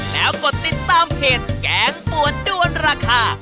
แล้วกดติดตามเพจแกงปวดด้วนราคา